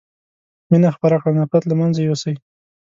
مينه خپره کړي نفرت له منځه يوسئ